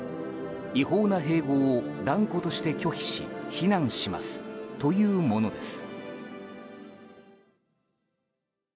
違法な併合を断固として拒否し非難しますというものです。